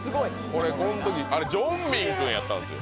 これこん時あれジョンミン君やったんですよ